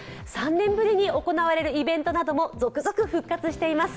３年ぶりに行われるイベントなども続々復活しています。